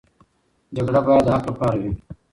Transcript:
جګړه باید د حق لپاره وي.